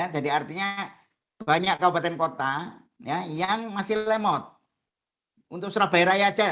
jadi artinya banyak kabupaten kota yang masih lemot untuk surabaya raya saja